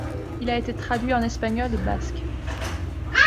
Il a été traduit en espagnol et basque.